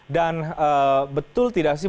dan betul tidak sih